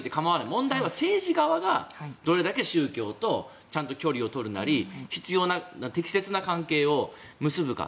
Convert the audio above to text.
問題は政治側がどれだけ宗教とちゃんと距離を取るなり必要な適切な関係を結ぶか。